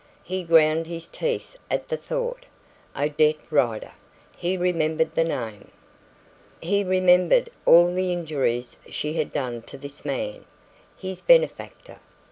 He ground his teeth at the thought. Odette Rider! He remembered the name. He remembered all the injuries she had done to this man, his benefactor.